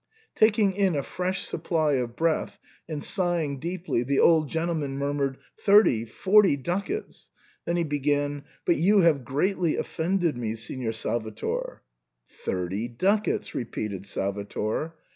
Taking in a fresh supply of breath, and sighing deep ly, the old gentleman murmured, " Thirty — forty duc ats !" Then he began, But you have greatly offended me, Signor Salvator" "Thirty ducats," repeated Salvator.